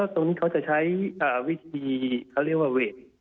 ตรงนี้เขาจะใช้วิธีเขาเรียกว่าเวท